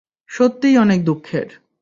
সত্যিই অনেক দুঃখের!